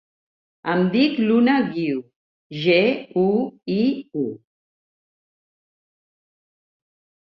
Em dic Luna Guiu: ge, u, i, u.